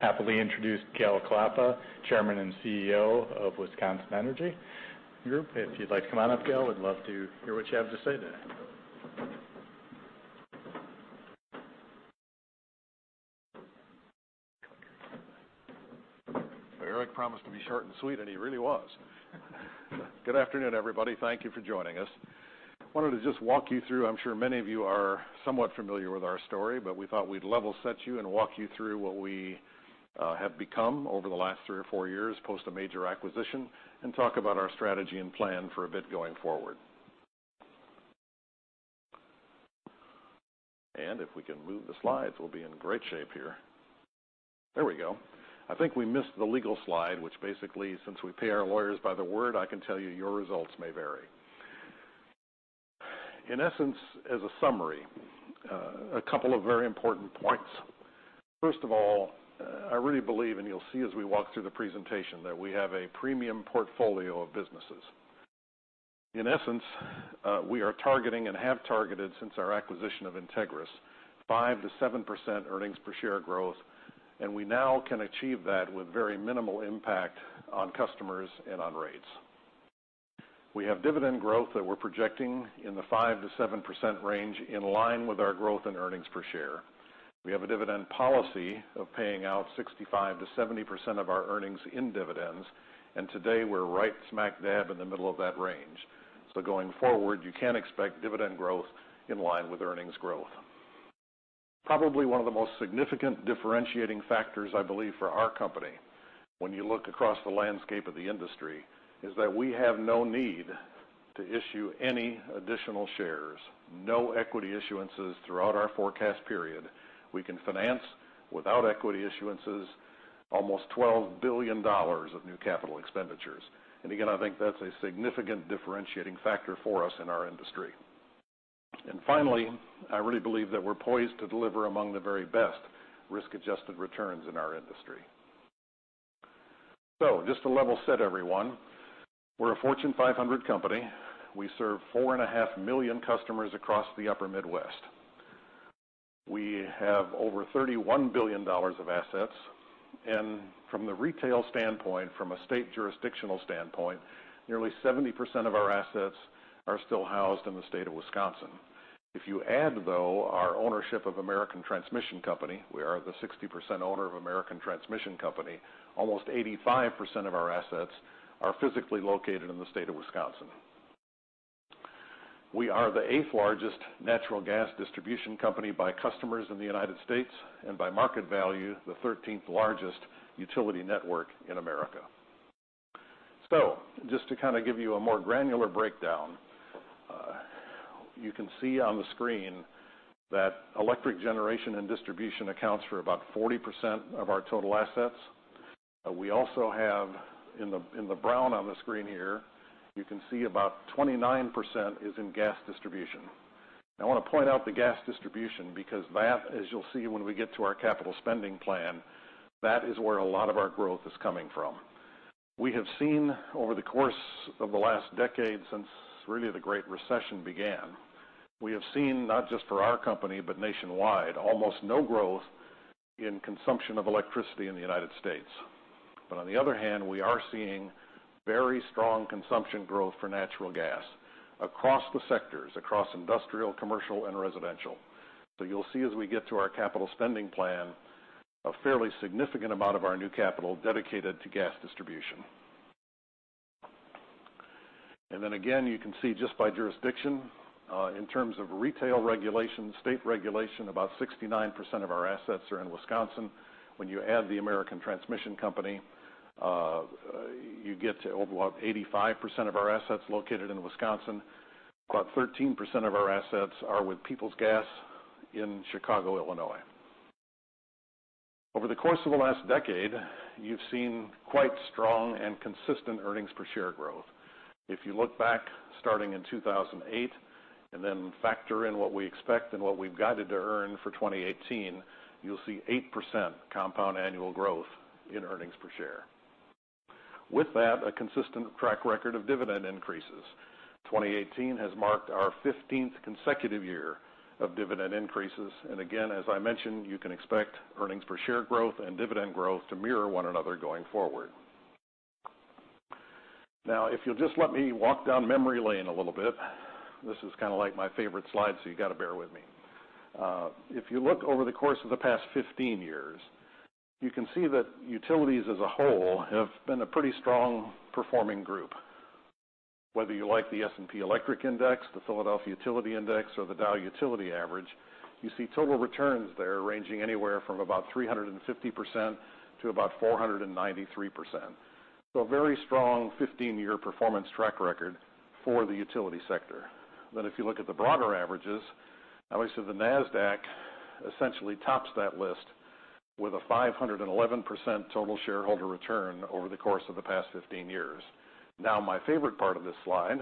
Happily introduce Gale Klappa, Chairman and CEO of WEC Energy Group. If you'd like to come on up, Gale, we'd love to hear what you have to say today. Eric promised to be short and sweet, he really was. Good afternoon, everybody. Thank you for joining us. Wanted to just walk you through, I'm sure many of you are somewhat familiar with our story, but we thought we'd level set you and walk you through what we have become over the last three or four years, post a major acquisition, talk about our strategy and plan for a bit going forward. If we can move the slides, we'll be in great shape here. There we go. I think we missed the legal slide, which basically, since we pay our lawyers by the word, I can tell you your results may vary. In essence, as a summary, a couple of very important points. First of all, I really believe, and you'll see as we walk through the presentation, that we have a premium portfolio of businesses. In essence, we are targeting and have targeted since our acquisition of Integrys, 5%-7% earnings per share growth, and we now can achieve that with very minimal impact on customers and on rates. We have dividend growth that we're projecting in the 5%-7% range, in line with our growth and earnings per share. We have a dividend policy of paying out 65%-70% of our earnings in dividends, and today we're right smack dab in the middle of that range. Going forward, you can expect dividend growth in line with earnings growth. Probably one of the most significant differentiating factors, I believe for our company, when you look across the landscape of the industry, is that we have no need to issue any additional shares, no equity issuances throughout our forecast period. We can finance without equity issuances, almost $12 billion of new capital expenditures. Again, I think that's a significant differentiating factor for us in our industry. Finally, I really believe that we're poised to deliver among the very best risk-adjusted returns in our industry. Just to level set everyone, we're a Fortune 500 company. We serve four and a half million customers across the upper Midwest. We have over $31 billion of assets, and from the retail standpoint, from a state jurisdictional standpoint, nearly 70% of our assets are still housed in the state of Wisconsin. If you add, though, our ownership of American Transmission Company, we are the 60% owner of American Transmission Company, almost 85% of our assets are physically located in the state of Wisconsin. We are the eighth-largest natural gas distribution company by customers in the U.S., and by market value, the 13th-largest utility network in America. Just to kind of give you a more granular breakdown, you can see on the screen that electric generation and distribution accounts for about 40% of our total assets. We also have in the brown on the screen here, you can see about 29% is in gas distribution. I want to point out the gas distribution, because that, as you'll see when we get to our capital spending plan, that is where a lot of our growth is coming from. We have seen over the course of the last decade, since really the Great Recession began, we have seen, not just for our company, but nationwide, almost no growth in consumption of electricity in the U.S. On the other hand, we are seeing very strong consumption growth for natural gas across the sectors, across industrial, commercial, and residential. You'll see as we get to our capital spending plan, a fairly significant amount of our new capital dedicated to gas distribution. Then again, you can see just by jurisdiction, in terms of retail regulation, state regulation, about 69% of our assets are in Wisconsin. When you add the American Transmission Company, you get to about 85% of our assets located in Wisconsin. About 13% of our assets are with Peoples Gas in Chicago, Illinois. Over the course of the last decade, you've seen quite strong and consistent earnings per share growth. If you look back starting in 2008 and then factor in what we expect and what we've guided to earn for 2018, you'll see 8% compound annual growth in earnings per share. With that, a consistent track record of dividend increases. 2018 has marked our 15th consecutive year of dividend increases. Again, as I mentioned, you can expect earnings per share growth and dividend growth to mirror one another going forward. If you'll just let me walk down memory lane a little bit. This is kind of my favorite slide, you got to bear with me. If you look over the course of the past 15 years, you can see that utilities as a whole have been a pretty strong-performing group. Whether you like the S&P Electric Index, the PHLX Utility Sector Index, or the Dow Utility Average, you see total returns there ranging anywhere from about 350% to about 493%. A very strong 15-year performance track record for the utility sector. If you look at the broader averages, obviously the Nasdaq essentially tops that list with a 511% total shareholder return over the course of the past 15 years. My favorite part of this slide,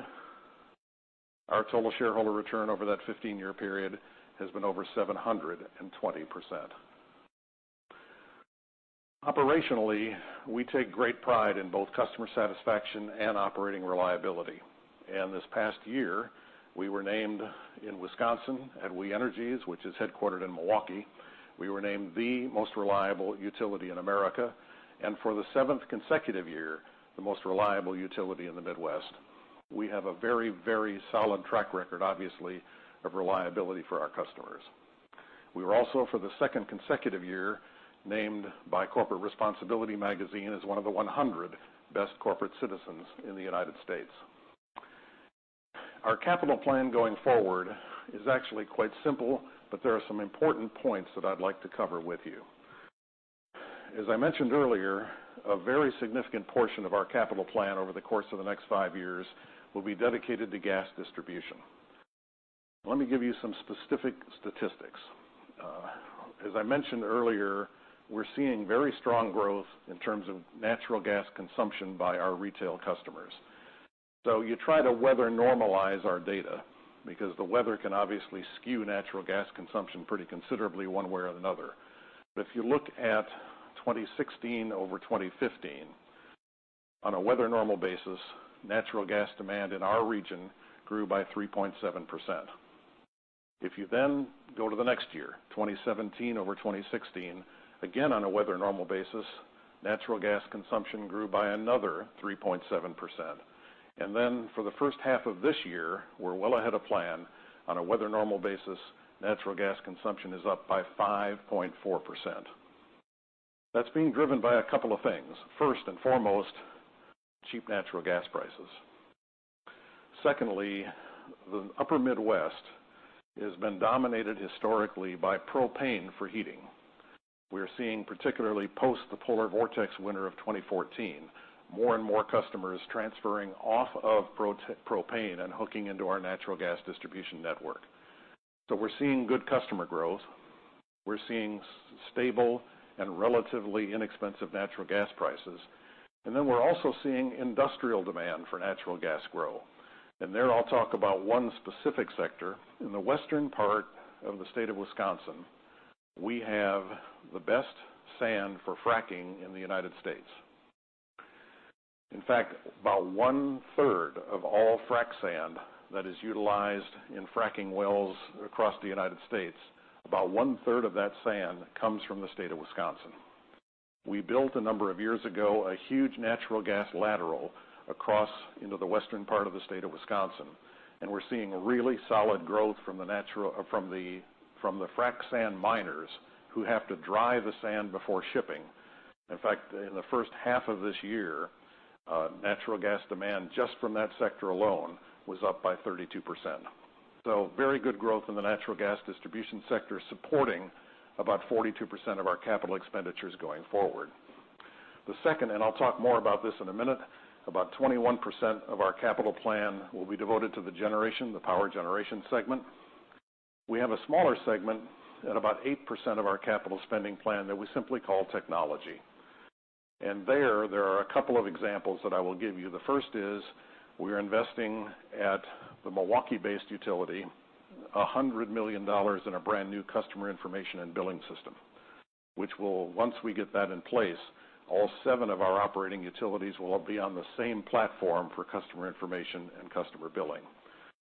our total shareholder return over that 15-year period has been over 720%. Operationally, we take great pride in both customer satisfaction and operating reliability. This past year, we were named in Wisconsin at We Energies, which is headquartered in Milwaukee, we were named the most reliable utility in the U.S., and for the seventh consecutive year, the most reliable utility in the Midwest. We have a very, very solid track record, obviously, of reliability for our customers. We were also, for the second consecutive year, named by Corporate Responsibility Magazine as one of the 100 Best Corporate Citizens in the U.S. Our capital plan going forward is actually quite simple, but there are some important points that I'd like to cover with you. As I mentioned earlier, a very significant portion of our capital plan over the course of the next five years will be dedicated to gas distribution. Let me give you some specific statistics. As I mentioned earlier, we're seeing very strong growth in terms of natural gas consumption by our retail customers. You try to weather-normalize our data because the weather can obviously skew natural gas consumption pretty considerably one way or another. If you look at 2016 over 2015, on a weather-normal basis, natural gas demand in our region grew by 3.7%. You then go to the next year, 2017 over 2016, again, on a weather-normal basis, natural gas consumption grew by another 3.7%. For the first half of this year, we're well ahead of plan. On a weather-normal basis, natural gas consumption is up by 5.4%. That's being driven by a couple of things. First and foremost, cheap natural gas prices. Secondly, the upper Midwest has been dominated historically by propane for heating. We're seeing, particularly post the polar vortex winter of 2014, more and more customers transferring off of propane and hooking into our natural gas distribution network. We're seeing good customer growth, we're seeing stable and relatively inexpensive natural gas prices, we're also seeing industrial demand for natural gas grow. There, I'll talk about one specific sector. In the western part of the state of Wisconsin, we have the best sand for fracking in the U.S. In fact, about one-third of all frack sand that is utilized in fracking wells across the U.S., about one-third of that sand comes from the state of Wisconsin. We built, a number of years ago, a huge natural gas lateral across into the western part of the state of Wisconsin, and we're seeing really solid growth from the frack sand miners who have to dry the sand before shipping. In fact, in the first half of this year, natural gas demand just from that sector alone was up by 32%. Very good growth in the natural gas distribution sector, supporting about 42% of our capital expenditures going forward. The second, I'll talk more about this in a minute, about 21% of our capital plan will be devoted to the generation, the power generation segment. We have a smaller segment at about 8% of our capital spending plan that we simply call technology. There, there are a couple of examples that I will give you. The first is we are investing at the Milwaukee-based utility, $100 million in a brand-new customer information and billing system, which will, once we get that in place, all seven of our operating utilities will all be on the same platform for customer information and customer billing.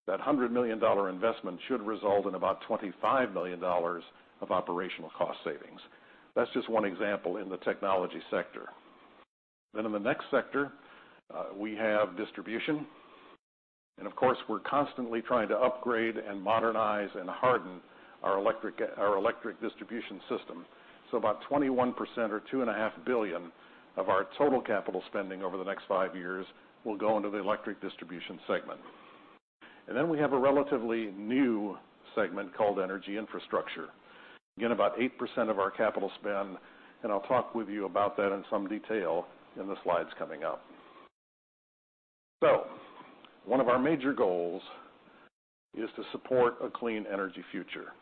That $100 million investment should result in about $25 million of operational cost savings. That's just one example in the technology sector. In the next sector, we have distribution. Of course, we're constantly trying to upgrade and modernize and harden our electric distribution system. About 21% or $2.5 billion of our total capital spending over the next five years will go into the electric distribution segment. Then we have a relatively new segment called energy infrastructure. Again, about 8% of our capital spend, I'll talk with you about that in some detail in the slides coming up. One of our major goals is to support a clean energy future,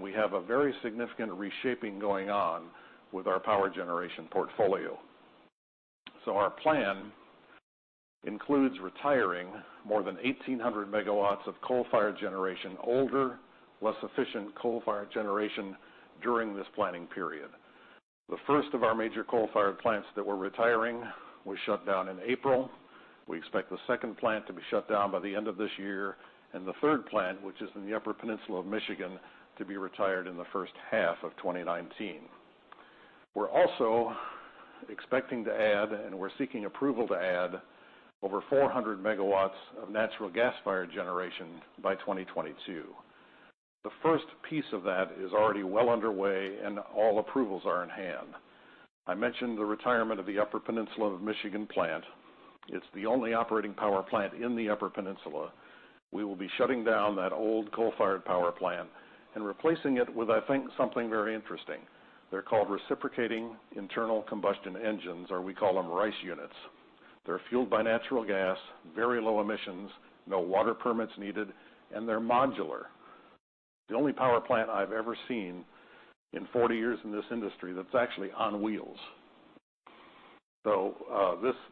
we have a very significant reshaping going on with our power generation portfolio. Our plan includes retiring more than 1,800 megawatts of coal-fired generation, older, less efficient coal-fired generation during this planning period. The first of our major coal-fired plants that we're retiring was shut down in April. We expect the second plant to be shut down by the end of this year, the third plant, which is in the Upper Peninsula of Michigan, to be retired in the first half of 2019. We're also expecting to add, we're seeking approval to add over 400 megawatts of natural gas-fired generation by 2022. The first piece of that is already well underway, all approvals are in hand. I mentioned the retirement of the Upper Peninsula of Michigan plant. It's the only operating power plant in the Upper Peninsula. We will be shutting down that old coal-fired power plant and replacing it with, I think, something very interesting. They're called reciprocating internal combustion engines, or we call them RICE units. They're fueled by natural gas, very low emissions, no water permits needed, they're modular. The only power plant I've ever seen in 40 years in this industry that's actually on wheels.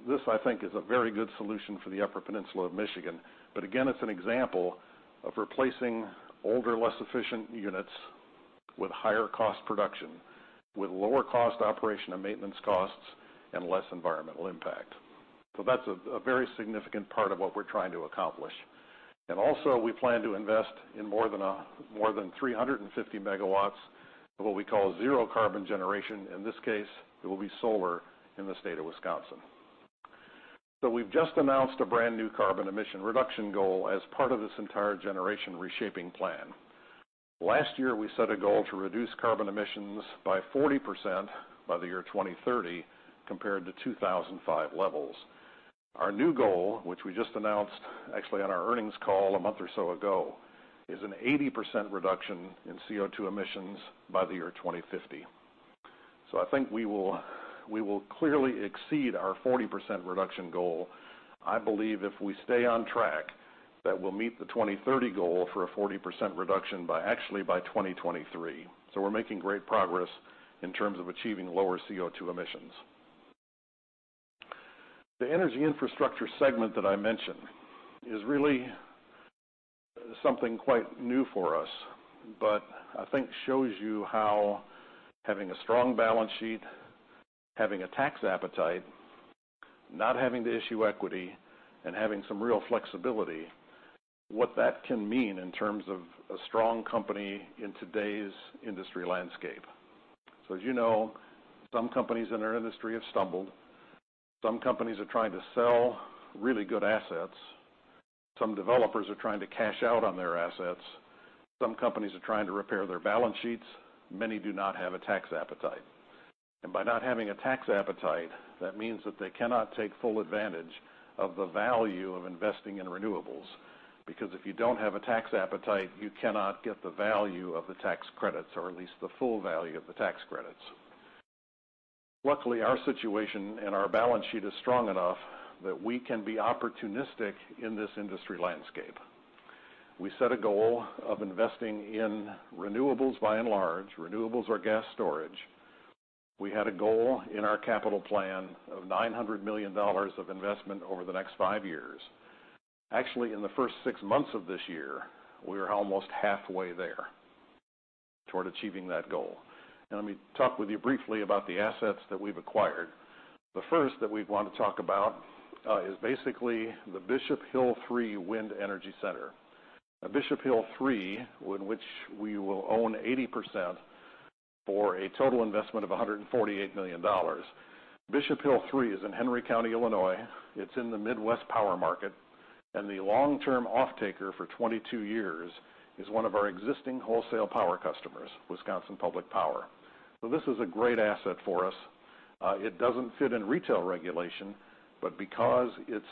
This, I think, is a very good solution for the Upper Peninsula of Michigan. Again, it's an example of replacing older, less efficient units with higher cost production, with lower cost operation and maintenance costs, less environmental impact. That's a very significant part of what we're trying to accomplish. Also, we plan to invest in more than 350 megawatts of what we call zero carbon generation. In this case, it will be solar in the state of Wisconsin. We've just announced a brand-new carbon emission reduction goal as part of this entire generation reshaping plan. Last year, we set a goal to reduce carbon emissions by 40% by the year 2030, compared to 2005 levels. Our new goal, which we just announced actually on our earnings call a month or so ago, is an 80% reduction in CO2 emissions by the year 2050. I think we will clearly exceed our 40% reduction goal. I believe if we stay on track, that we'll meet the 2030 goal for a 40% reduction actually by 2023. We're making great progress in terms of achieving lower CO2 emissions. The energy infrastructure segment that I mentioned is really something quite new for us, I think shows you how having a strong balance sheet, having a tax appetite, not having to issue equity, having some real flexibility, what that can mean in terms of a strong company in today's industry landscape. As you know, some companies in our industry have stumbled. Some companies are trying to sell really good assets. Some developers are trying to cash out on their assets. Some companies are trying to repair their balance sheets. Many do not have a tax appetite. By not having a tax appetite, that means that they cannot take full advantage of the value of investing in renewables, because if you don't have a tax appetite, you cannot get the value of the tax credits, or at least the full value of the tax credits. Luckily, our situation and our balance sheet is strong enough that we can be opportunistic in this industry landscape. We set a goal of investing in renewables by and large, renewables or gas storage. We had a goal in our capital plan of $900 million of investment over the next five years. Actually, in the first six months of this year, we are almost halfway there toward achieving that goal. Let me talk with you briefly about the assets that we've acquired. The first that we want to talk about is basically the Bishop Hill 3 Wind Energy Center. Bishop Hill 3, in which we will own 80% for a total investment of $148 million. Bishop Hill 3 is in Henry County, Illinois. It's in the Midwest power market, and the long-term offtaker for 22 years is one of our existing wholesale power customers, Wisconsin Public Power. This is a great asset for us. It doesn't fit in retail regulation, but because it's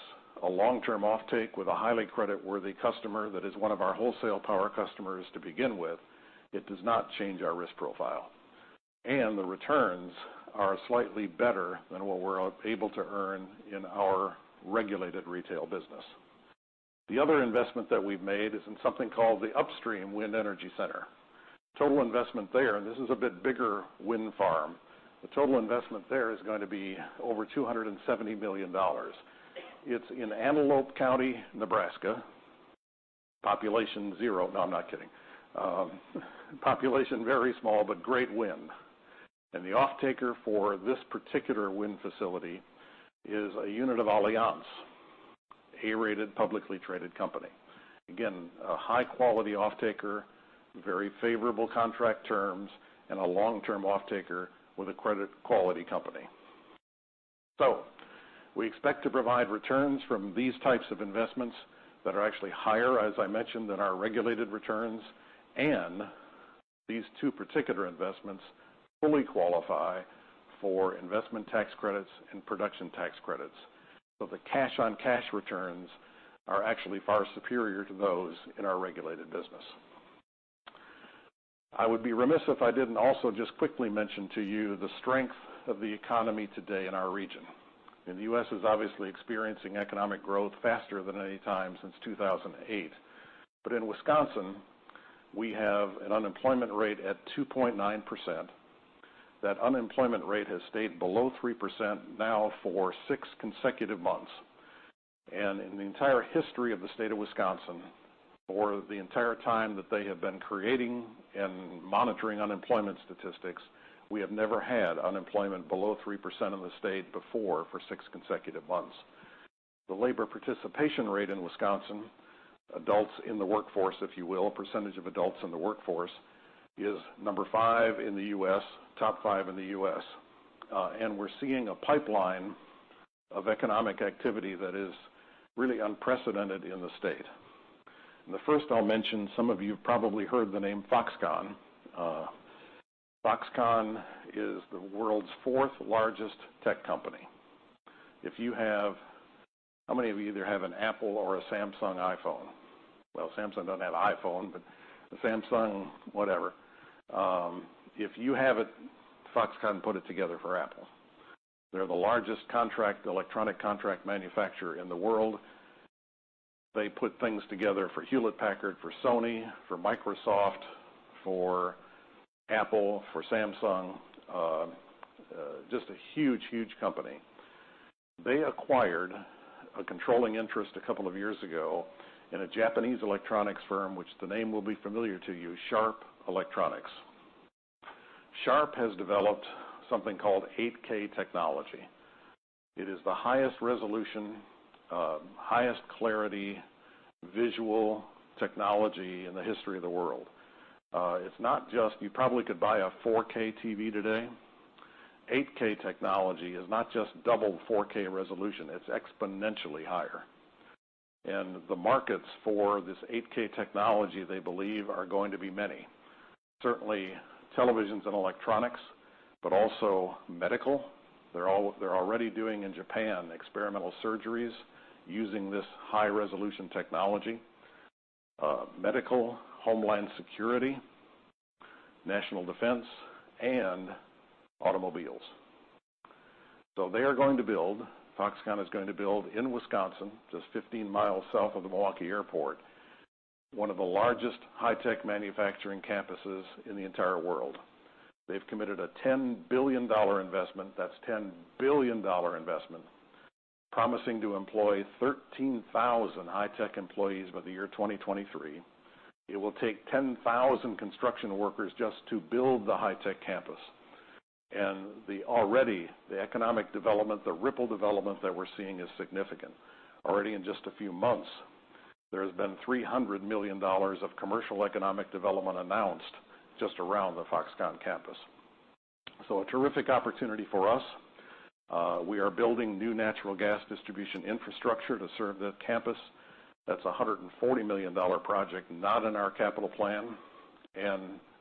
a long-term offtake with a highly credit-worthy customer that is one of our wholesale power customers to begin with, it does not change our risk profile. The returns are slightly better than what we're able to earn in our regulated retail business. The other investment that we've made is in something called the Upstream Wind Energy Center. Total investment there, and this is a bit bigger wind farm, the total investment there is going to be over $270 million. It's in Antelope County, Nebraska, population zero. No, I'm not kidding. Population very small, but great wind. The offtaker for this particular wind facility is a unit of Allianz, A-rated, publicly traded company. Again, a high-quality offtaker, very favorable contract terms, and a long-term offtaker with a credit quality company. We expect to provide returns from these types of investments that are actually higher, as I mentioned, than our regulated returns. These two particular investments fully qualify for Investment Tax Credits and Production Tax Credits. The cash-on-cash returns are actually far superior to those in our regulated business. I would be remiss if I didn't also just quickly mention to you the strength of the economy today in our region. The U.S. is obviously experiencing economic growth faster than any time since 2008. In Wisconsin, we have an unemployment rate at 2.9%. That unemployment rate has stayed below 3% now for six consecutive months. In the entire history of the state of Wisconsin, for the entire time that they have been creating and monitoring unemployment statistics, we have never had unemployment below 3% in the state before for six consecutive months. The labor participation rate in Wisconsin, adults in the workforce, if you will, percentage of adults in the workforce, is number five in the U.S., top five in the U.S. We're seeing a pipeline of economic activity that is really unprecedented in the state. The first I'll mention, some of you have probably heard the name Foxconn. Foxconn is the world's fourth largest tech company. How many of you either have an Apple or a Samsung iPhone? Well, Samsung doesn't have iPhone, but Samsung, whatever. If you have it, Foxconn put it together for Apple. They're the largest electronic contract manufacturer in the world. They put things together for Hewlett-Packard, for Sony, for Microsoft, for Apple, for Samsung. Just a huge company. They acquired a controlling interest a couple of years ago in a Japanese electronics firm, which the name will be familiar to you, Sharp Corporation. Sharp has developed something called 8K technology. It is the highest resolution, highest clarity visual technology in the history of the world. You probably could buy a 4K TV today. 8K technology is not just double 4K resolution. It's exponentially higher. The markets for this 8K technology, they believe, are going to be many. Certainly, televisions and electronics, but also medical. They're already doing, in Japan, experimental surgeries using this high-resolution technology. Medical, homeland security, national defense, and automobiles. They are going to build, Foxconn is going to build in Wisconsin, just 15 miles south of the Milwaukee airport, one of the largest high-tech manufacturing campuses in the entire world. They've committed a $10 billion investment. That's $10 billion investment, promising to employ 13,000 high-tech employees by the year 2023. It will take 10,000 construction workers just to build the high-tech campus. Already, the economic development, the ripple development that we're seeing is significant. Already, in just a few months, there has been $300 million of commercial economic development announced just around the Foxconn campus. A terrific opportunity for us. We are building new natural gas distribution infrastructure to serve that campus. That's $140 million project, not in our capital plan.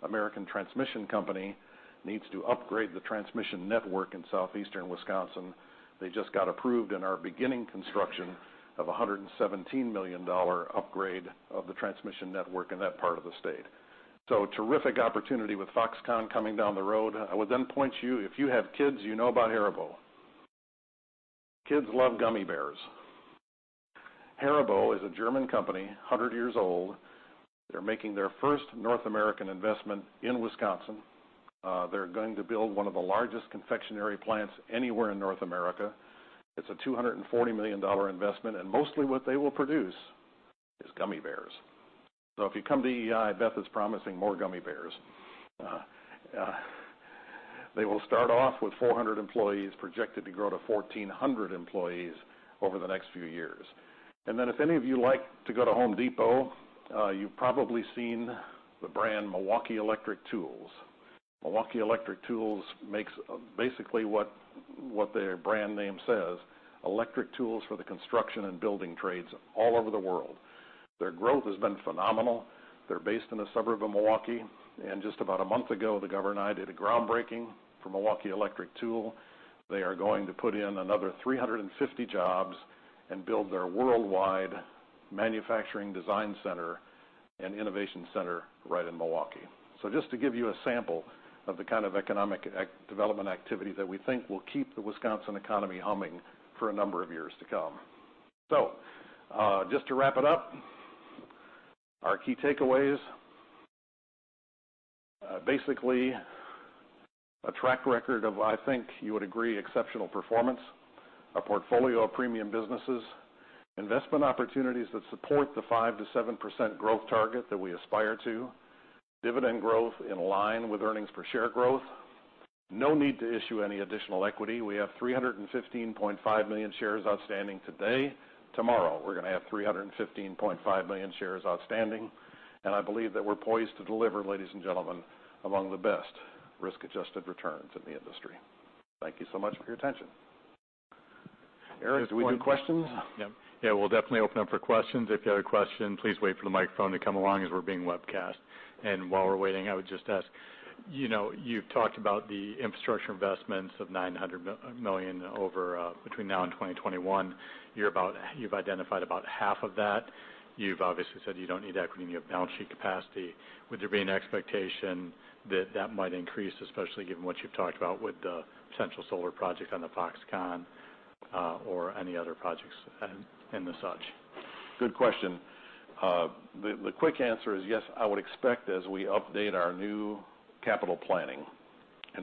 American Transmission Company needs to upgrade the transmission network in southeastern Wisconsin. They just got approved and are beginning construction of a $117 million upgrade of the transmission network in that part of the state. Terrific opportunity with Foxconn coming down the road. I would point you, if you have kids, you know about Haribo. Kids love gummy bears. Haribo is a German company, 100 years old. They're making their first North American investment in Wisconsin. They're going to build one of the largest confectionery plants anywhere in North America. It's a $240 million investment, and mostly what they will produce is gummy bears. If you come to EEI, Beth is promising more gummy bears. They will start off with 400 employees, projected to grow to 1,400 employees over the next few years. If any of you like to go to The Home Depot, you've probably seen the brand Milwaukee Electric Tools. Milwaukee Electric Tools makes basically what their brand name says, electric tools for the construction and building trades all over the world. Their growth has been phenomenal. They're based in a suburb of Milwaukee. Just about a month ago, the governor and I did a groundbreaking for Milwaukee Electric Tool. They are going to put in another 350 jobs and build their worldwide manufacturing design center and innovation center right in Milwaukee. Just to give you a sample of the kind of economic development activity that we think will keep the Wisconsin economy humming for a number of years to come. Just to wrap it up, our key takeaways. A track record of, I think you would agree, exceptional performance, a portfolio of premium businesses, investment opportunities that support the 5%-7% growth target that we aspire to, dividend growth in line with earnings per share growth. No need to issue any additional equity. We have 315.5 million shares outstanding today. Tomorrow, we're going to have 315.5 million shares outstanding. I believe that we're poised to deliver, ladies and gentlemen, among the best risk-adjusted returns in the industry. Thank you so much for your attention. Eric, do we do questions? We'll definitely open up for questions. If you have a question, please wait for the microphone to come along as we're being webcast. While we're waiting, I would just ask, you've talked about the infrastructure investments of $900 million between now and 2021. You've identified about half of that. You've obviously said you don't need equity. You have balance sheet capacity. Would there be an expectation that that might increase, especially given what you've talked about with the potential solar project on the Foxconn or any other projects and the such? Good question. The quick answer is yes, I would expect as we update our new capital planning.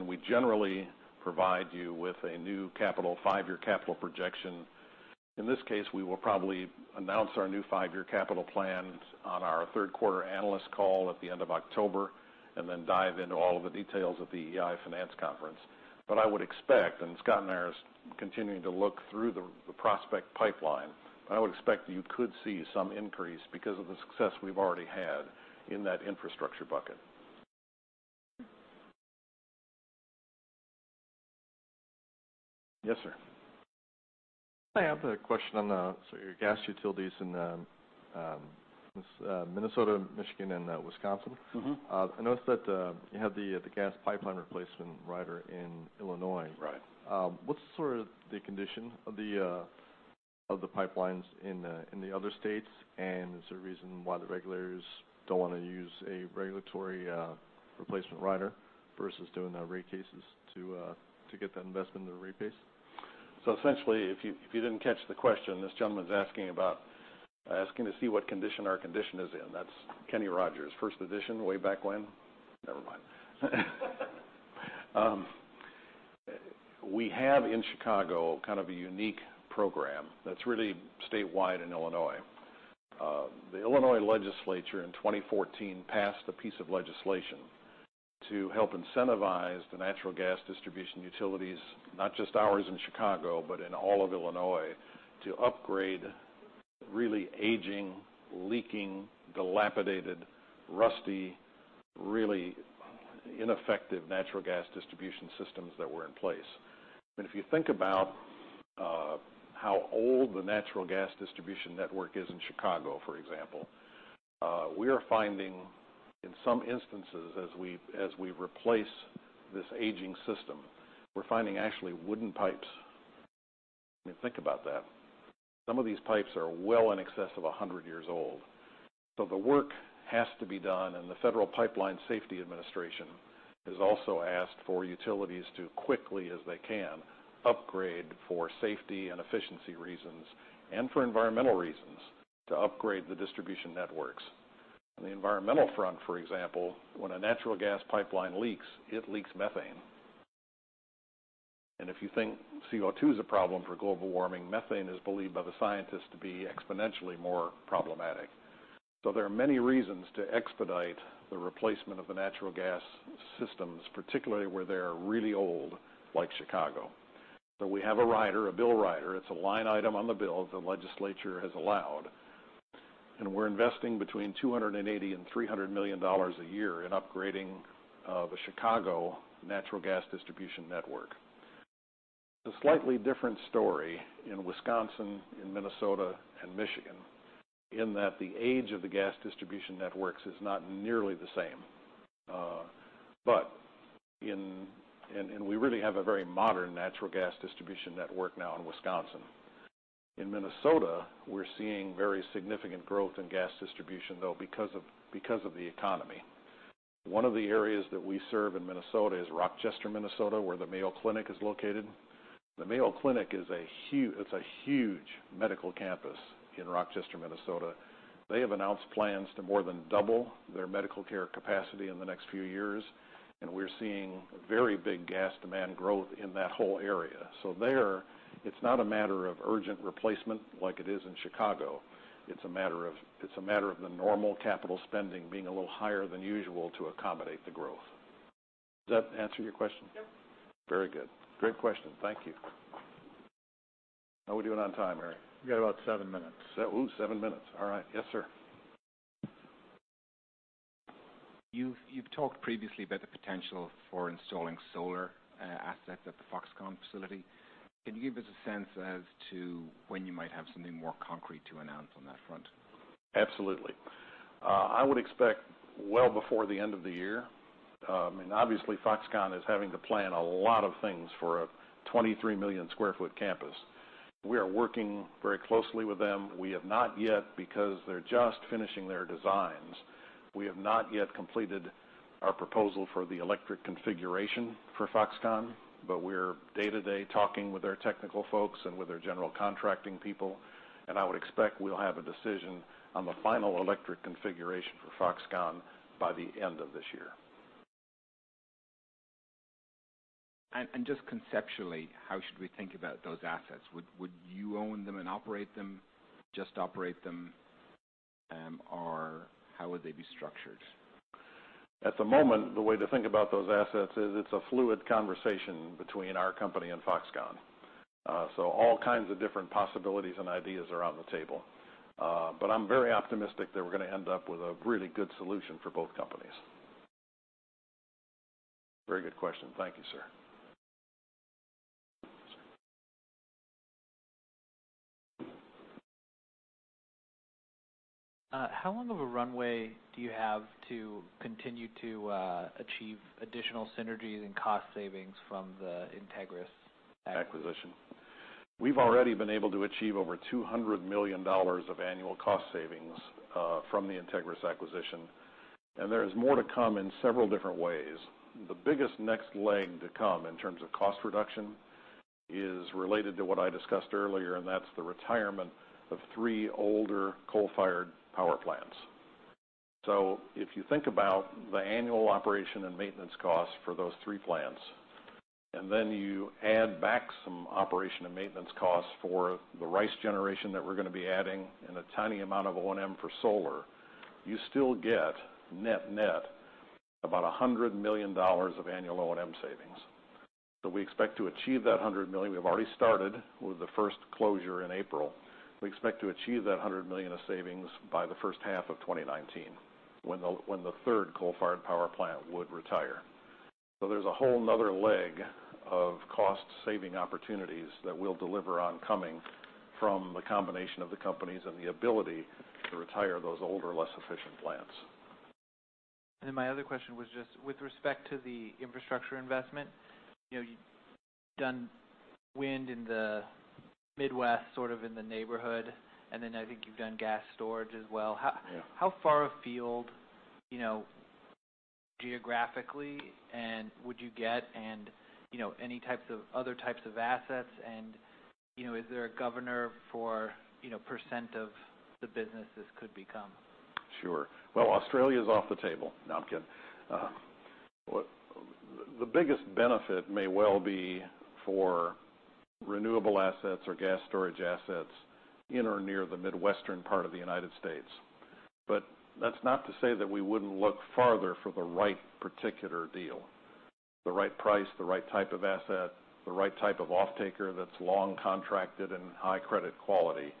We generally provide you with a new five-year capital projection. In this case, we will probably announce our new five-year capital plan on our third quarter analyst call at the end of October. We will dive into all of the details at the EEI Financial Conference. I would expect, Scott and I are continuing to look through the prospect pipeline. I would expect that you could see some increase because of the success we've already had in that infrastructure bucket. Yes, sir. I have a question on your gas utilities in Minnesota, Michigan, and Wisconsin. I noticed that you have the gas pipeline replacement rider in Illinois. Right. What's sort of the condition of the pipelines in the other states? Is there a reason why the regulators don't want to use a regulatory replacement rider versus doing the rate cases to get that investment in the rate base? Essentially, if you didn't catch the question, this gentleman's asking about what condition our condition is in. That's Kenny Rogers, first edition, way back when. Never mind. We have, in Chicago, kind of a unique program that's really statewide in Illinois. The Illinois legislature in 2014 passed a piece of legislation to help incentivize the natural gas distribution utilities, not just ours in Chicago, but in all of Illinois, to upgrade really aging, leaking, dilapidated, rusty, really ineffective natural gas distribution systems that were in place. If you think about how old the natural gas distribution network is in Chicago, for example, we are finding in some instances, as we replace this aging system, we're finding actually wooden pipes. Think about that. Some of these pipes are well in excess of 100 years old. The work has to be done, and the Federal Pipeline Safety Administration has also asked for utilities to, quickly as they can, upgrade for safety and efficiency reasons, and for environmental reasons, to upgrade the distribution networks. On the environmental front, for example, when a natural gas pipeline leaks, it leaks methane. If you think CO2 is a problem for global warming, methane is believed by the scientists to be exponentially more problematic. There are many reasons to expedite the replacement of the natural gas systems, particularly where they are really old, like Chicago. We have a rider, a bill rider. It's a line item on the bill the legislature has allowed, and we're investing between $280 million-$300 million a year in upgrading the Chicago natural gas distribution network. It's a slightly different story in Wisconsin, in Minnesota, and Michigan, in that the age of the gas distribution networks is not nearly the same. We really have a very modern natural gas distribution network now in Wisconsin. In Minnesota, we're seeing very significant growth in gas distribution, though, because of the economy. One of the areas that we serve in Minnesota is Rochester, Minnesota, where the Mayo Clinic is located. The Mayo Clinic is a huge medical campus in Rochester, Minnesota. They have announced plans to more than double their medical care capacity in the next few years, and we're seeing very big gas demand growth in that whole area. There, it's not a matter of urgent replacement like it is in Chicago. It's a matter of the normal capital spending being a little higher than usual to accommodate the growth. Does that answer your question? Yep. Very good. Great question. Thank you. How we doing on time, Harry? We got about seven minutes. Oh, seven minutes. All right. Yes, sir. You've talked previously about the potential for installing solar assets at the Foxconn facility. Can you give us a sense as to when you might have something more concrete to announce on that front? Absolutely. I would expect well before the end of the year. Obviously, Foxconn is having to plan a lot of things for a 23-million-square-foot campus. We are working very closely with them. We have not yet, because they're just finishing their designs, we have not yet completed our proposal for the electric configuration for Foxconn. We're day-to-day talking with their technical folks and with their general contracting people. I would expect we'll have a decision on the final electric configuration for Foxconn by the end of this year. Just conceptually, how should we think about those assets? Would you own them and operate them, just operate them, or how would they be structured? At the moment, the way to think about those assets is it's a fluid conversation between our company and Foxconn. All kinds of different possibilities and ideas are on the table. I'm very optimistic that we're going to end up with a really good solution for both companies. Very good question. Thank you, sir. How long of a runway do you have to continue to achieve additional synergies and cost savings from the Integrys acquisition? We've already been able to achieve over $200 million of annual cost savings from the Integrys acquisition. There is more to come in several different ways. The biggest next leg to come in terms of cost reduction is related to what I discussed earlier. That's the retirement of three older coal-fired power plants. If you think about the annual operation and maintenance costs for those three plants, then you add back some operation and maintenance costs for the RICE generation that we're going to be adding, and a tiny amount of O&M for solar, you still get net net about $100 million of annual O&M savings. We expect to achieve that $100 million. We have already started with the first closure in April. We expect to achieve that $100 million of savings by the first half of 2019, when the third coal-fired power plant would retire. There's a whole another leg of cost-saving opportunities that we'll deliver on coming from the combination of the companies and the ability to retire those older, less efficient plants. My other question was just with respect to the infrastructure investment. You've done wind in the Midwest, sort of in the neighborhood. I think you've done gas storage as well. Yeah. How far afield geographically, would you get any types of other types of assets, is there a governor for % of the business this could become? Sure. Well, Australia's off the table. No, I'm kidding. The biggest benefit may well be for renewable assets or gas storage assets in or near the Midwestern part of the United States. That's not to say that we wouldn't look farther for the right particular deal, the right price, the right type of asset, the right type of off-taker that's long contracted and high credit quality.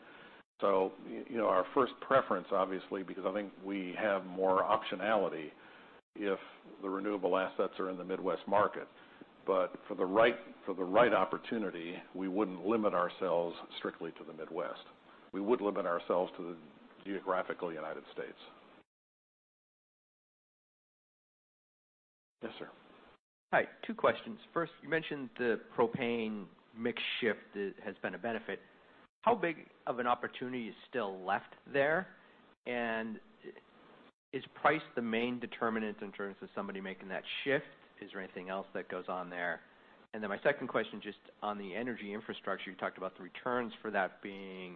Our first preference, obviously, because I think we have more optionality if the renewable assets are in the Midwest market, for the right opportunity, we wouldn't limit ourselves strictly to the Midwest. We would limit ourselves to the geographical United States. Yes, sir. Hi. Two questions. First, you mentioned the propane mix shift has been a benefit. How big of an opportunity is still left there? Is price the main determinant in terms of somebody making that shift? Is there anything else that goes on there? My second question, just on the energy infrastructure, you talked about the returns for that being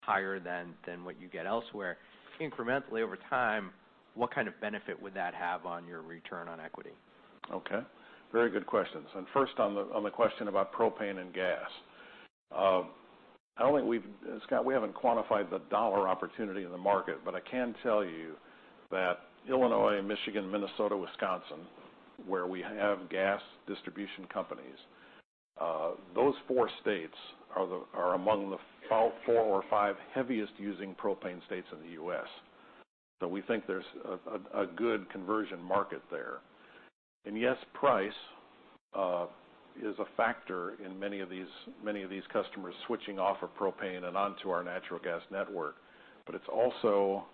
higher than what you get elsewhere. Incrementally over time, what kind of benefit would that have on your return on equity? Okay. Very good questions. First on the question about propane and gas. I don't think we've, Scott, we haven't quantified the dollar opportunity in the market, but I can tell you that Illinois, Michigan, Minnesota, Wisconsin, where we have gas distribution companies, those four states are among the four or five heaviest using propane states in the U.S. We think there's a good conversion market there. Yes, price is a factor in many of these customers switching off of propane and onto our natural gas network, but it's also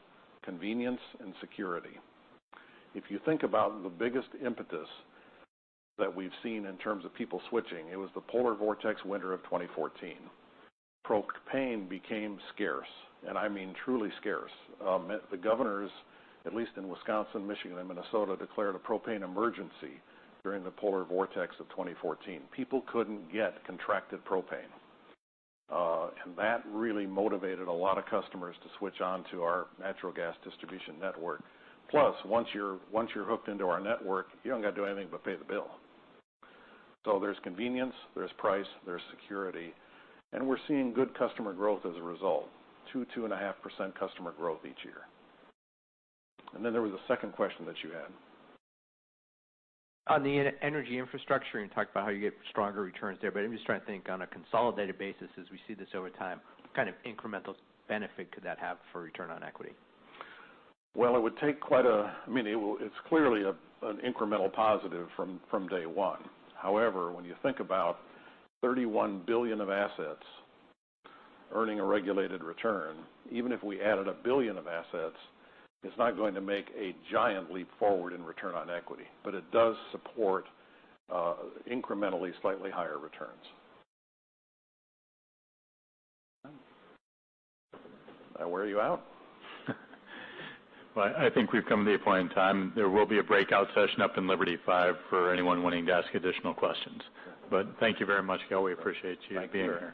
convenience and security. If you think about the biggest impetus that we've seen in terms of people switching, it was the polar vortex winter of 2014. Propane became scarce, and I mean truly scarce. The governors, at least in Wisconsin, Michigan, and Minnesota, declared a propane emergency during the polar vortex of 2014. People couldn't get contracted propane. That really motivated a lot of customers to switch on to our natural gas distribution network. Plus, once you're hooked into our network, you don't got to do anything but pay the bill. There's convenience, there's price, there's security, and we're seeing good customer growth as a result. 2%, 2.5% customer growth each year. There was a second question that you had. On the energy infrastructure, you talked about how you get stronger returns there, but I'm just trying to think on a consolidated basis as we see this over time, what kind of incremental benefit could that have for return on equity? Well, it would take quite a, it's clearly an incremental positive from day one. However, when you think about $31 billion of assets earning a regulated return, even if we added $1 billion of assets, it's not going to make a giant leap forward in return on equity. It does support incrementally slightly higher returns. Did I wear you out? I think we've come to the appointed time. There will be a breakout session up in Liberty Five for anyone wanting to ask additional questions. Thank you very much, Gale. We appreciate you being here.